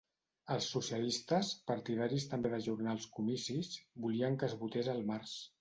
Els socialistes, partidaris també d’ajornar els comicis, volien que es votés al març.